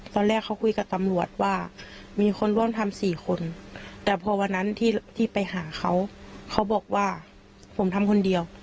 ตอนแรกเขาคุยกับตำรวจว่ามีคนร่วมทำ๔คนแต่พอวันนั้นที่ไปหาเขาเขาบอกว่าผมทำคนเดียว